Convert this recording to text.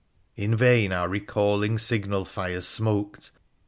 In vain our recalling signal fires smoked.